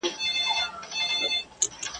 دی روان سو ځان یې موړ کړ په بازار کي !.